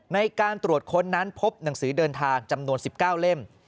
ในการตรวจค้นนั้นพบหนังสือเดินทางจำนวน๑๙เล่ม